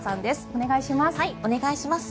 お願いします。